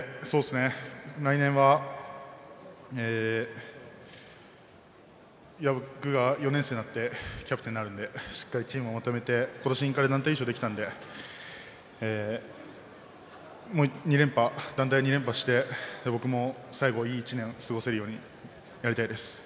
来年は僕が４年生になってキャプテンになるのでしっかりとチームをまとめてことしインカレ優勝ができたので団体２連覇して僕も最後、いい１年を過ごせるようになりたいです。